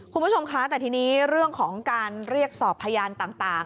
คุณผู้ชมคะแต่ทีนี้เรื่องของการเรียกสอบพยานต่าง